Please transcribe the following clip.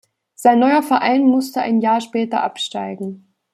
Sein neuer Verein musste ein Jahr später absteigen.